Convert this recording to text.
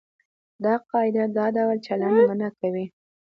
دا قاعده دا ډول چلند منع کوي.